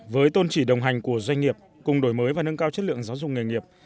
với tôn trị đồng hành của doanh nghiệp cùng đổi mới và nâng cao chất lượng giáo dục nghề nghiệp